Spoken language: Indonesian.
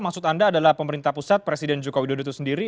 maksud anda adalah pemerintah pusat presiden jokowi dututu sendiri